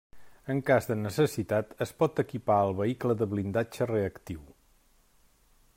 En cas de necessitat, es pot equipar al vehicle de blindatge reactiu.